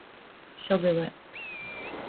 She'll do it.